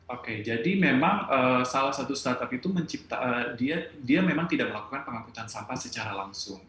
oke jadi memang salah satu startup itu dia memang tidak melakukan pengangkutan sampah secara langsung